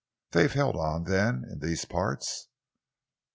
"They've held on, then, in these parts?"